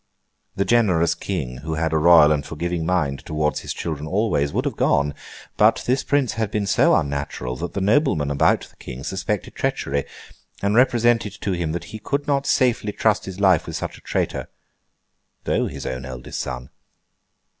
The generous King, who had a royal and forgiving mind towards his children always, would have gone; but this Prince had been so unnatural, that the noblemen about the King suspected treachery, and represented to him that he could not safely trust his life with such a traitor, though his own eldest son.